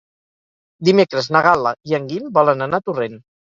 Dimecres na Gal·la i en Guim volen anar a Torrent.